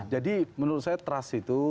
jadi menurut saya trust itu